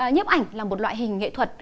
nhếp ảnh là một loại hình nghệ thuật